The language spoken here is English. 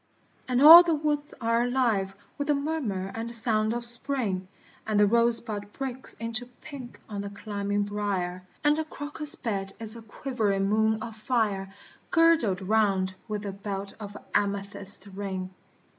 And all the woods are alive with the murmur and sound of Spring, And the rosebud breaks into pink on the climbing briar, And the crocus bed is a quivering moon of fire Girdled round with the belt of an amethyst ring.